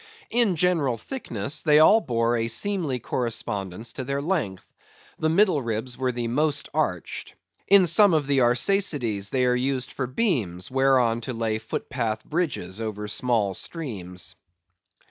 In general thickness, they all bore a seemly correspondence to their length. The middle ribs were the most arched. In some of the Arsacides they are used for beams whereon to lay footpath bridges over small streams.